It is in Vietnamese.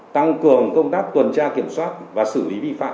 tăng cường công tác tuần tra kiểm soát và xử lý vi phạm